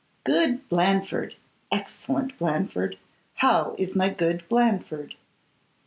Good Blandford, excellent Blandford, how is my good Blandford?